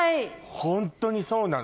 ホントにそうなの。